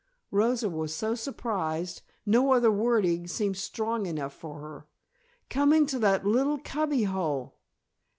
Rosa was so surprised no other wording seemed strong enough for her. "Coming to that little cubby hole!